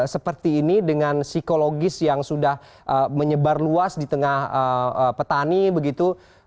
seperti ini dengan psikologis yang sudah menyebar luas di tengah petani begitu